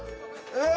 えっ？